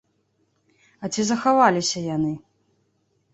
А ці захаваліся яны?